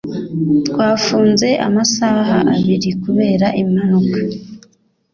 twafunzwe amasaha abiri kubera impanuka